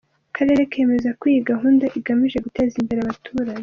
Akarere kemeza ko iyi gahunda igamije guteza imbere abaturage .